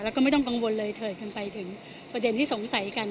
แล้วก็ไม่ต้องกังวลเลยเถิดกันไปถึงประเด็นที่สงสัยกัน